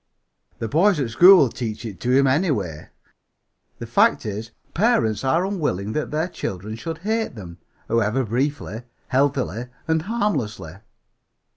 The boys at school will teach it to him, anyway. The fact is, parents are unwilling that their children should hate them, however briefly, healthily and harmlessly.